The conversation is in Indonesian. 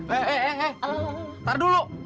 eh eh eh eh tar dulu